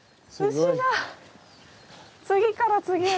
牛が次から次へと。